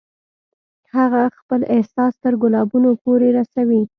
هغه خپل احساس تر ګلابونو پورې رسوي